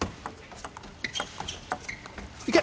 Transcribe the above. いけ！